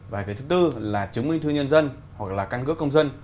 và cái thứ bốn là chứng minh thư nhân dân hoặc là căn cứ công dân